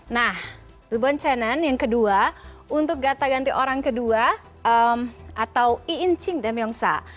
nah kemudian yang kedua untuk kata ganti orang kedua atau incing te myongsa